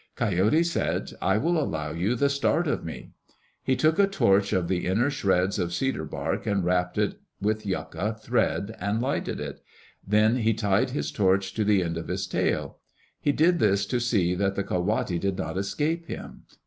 Coyote said, "I will allow you the start of me." He made a torch of the inner shreds of cedar bark and wrapped it with yucca thread and lighted it. Then he tied this torch to the end of his tail. He did this to see that the ka wate did not escape him.